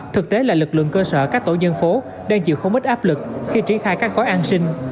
thực tế là lực lượng cơ sở các tổ dân phố đang chịu không ít áp lực khi triển khai các gói an sinh